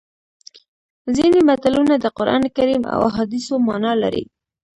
ځینې متلونه د قرانکریم او احادیثو مانا لري